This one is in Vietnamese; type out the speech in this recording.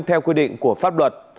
theo quy định của pháp luật